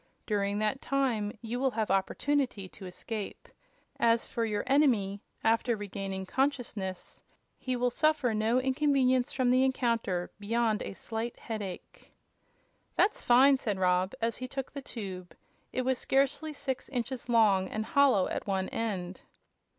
During that time you will have opportunity to escape. As for your enemy, after regaining consciousness he will suffer no inconvenience from the encounter beyond a slight headache." "That's fine!" said Rob, as he took the tube. It was scarcely six inches long, and hollow at one end.